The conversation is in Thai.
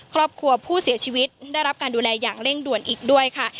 ครอบครัวผู้เสียชีวิตได้รับการดูแลอย่างเร่งด่วนอีกด้วยค่ะ